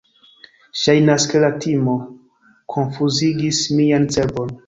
Ŝajnas, ke la timo konfuzigis mian cerbon.